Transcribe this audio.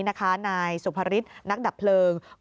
นายสุภาริชย์นักดับเพลิง